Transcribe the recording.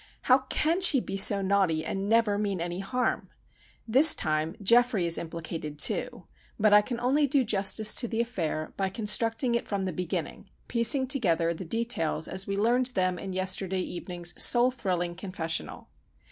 How can she be so naughty, and never mean any harm! This time Geoffrey is implicated, too, but I can only do justice to the affair by constructing it from the beginning, piecing together the details as we learned them in yesterday evening's soul thrilling confessional.